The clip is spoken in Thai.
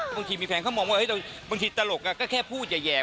บางทีมีแฟนเขามองว่าบางทีตลกก็แค่พูดแห่